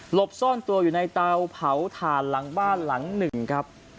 บซ่อนตัวอยู่ในเตาเผาถ่านหลังบ้านหลังหนึ่งครับ